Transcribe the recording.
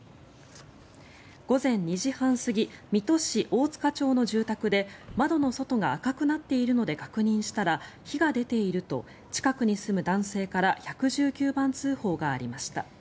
午前２時半過ぎ水戸市大塚町の住宅で窓の外が赤くなっているので確認したら火が出ていると近くに住む男性から１１９番通報がありました。